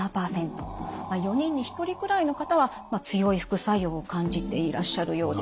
４人に１人くらいの方は強い副作用を感じていらっしゃるようです。